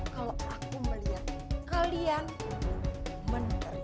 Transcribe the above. kalau aku melihat kalian menerima